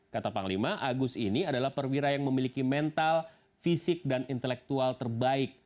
kata panglima agus ini adalah perwira yang memiliki mental fisik dan intelektual terbaik